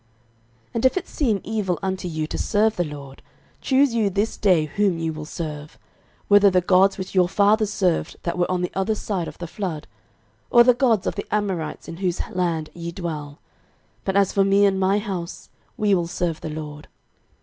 06:024:015 And if it seem evil unto you to serve the LORD, choose you this day whom ye will serve; whether the gods which your fathers served that were on the other side of the flood, or the gods of the Amorites, in whose land ye dwell: but as for me and my house, we will serve the LORD.